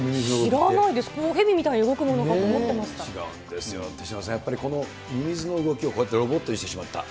知らないです、ヘビみたいに違うんですよ、手嶋さん、やっぱりこのミミズの動きをこうやってロボットにしてしまった。